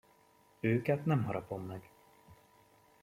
Őket nem harapom meg.